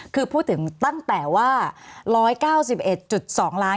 คือพูดถึงตั้งแต่ว่า๑๙๑๒ล้าน